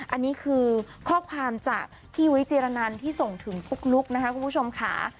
อันนี้คือข้อความจากพี่ยุ้ยจิรนันที่ส่งถึงปุ๊กลุ๊กนะคะคุณผู้ชมค่ะ